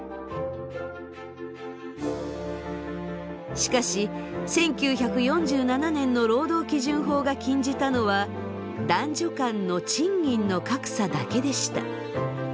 しかし１９４７年の労働基準法が禁じたのは男女間の賃金の格差だけでした。